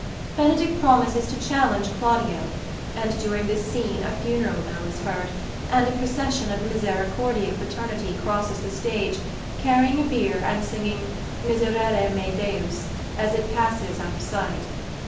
Benedick promises to challenge Claudio, and during this scene a funeral bell is heard, and a procession of the Misericordia Fraternity crosses the stage carrying a bier and singing "Miserere mei Deus" as it passes out of sight.